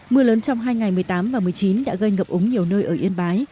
mưa lớn trong hai ngày một mươi tám và một mươi chín đã gây ngập úng nhiều nơi ở yên bái